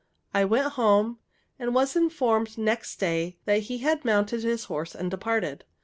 I went home, and was informed, next day, that he had mounted his horse and departed.